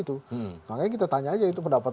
itu makanya kita tanya aja itu pendapat